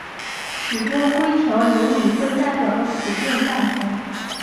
许多规条有与会代表的普遍赞同。